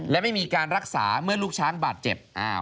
และไม่มีการรักษาเมื่อลูกช้างบาดเจ็บ